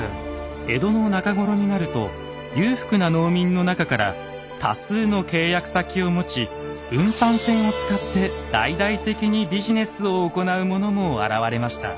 江戸の中頃になると裕福な農民の中から多数の契約先を持ち運搬船を使って大々的にビジネスを行う者も現れました。